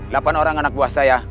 delapan orang anak buah saya